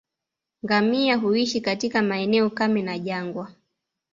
Ngamia huishi katika maeneo kame na jangwa